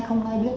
không ai biết